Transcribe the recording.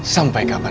sampai kapan pun